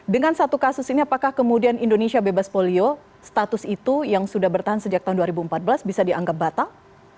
dengan satu kasus ini apakah kemudian indonesia bebas polio status itu yang sudah bertahan sejak tahun dua ribu empat belas bisa dianggap batal